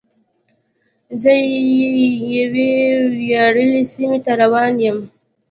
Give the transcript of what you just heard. زه یوې ویاړلې سیمې ته روان یم.